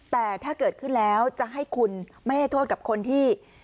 แต่ถ้าเกิดขึ้นแล้วจะให้คุณไม่ให้โทษกับคนที่